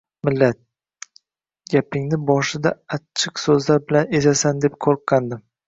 Millat! Gapingni boshida achiq so‘zlar bilan ezasan deb qo‘rqqandim